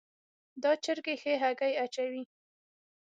دا چرګي ښي هګۍ اچوي